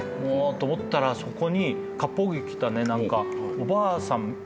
「もう」と思ったらそこにかっぽう着着たおばあさん。